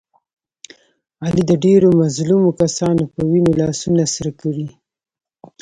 علي د ډېرو مظلومو کسانو په وینو لاسونه سره کړي.